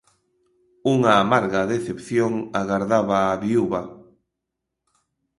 Unha amarga decepción agardaba á viúva.